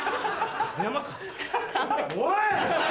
おい！